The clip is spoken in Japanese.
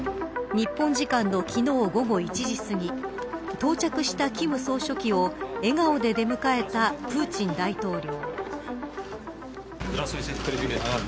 日本時間の昨日午後１時すぎ到着した金総書記を笑顔で出迎えたプーチン大統領。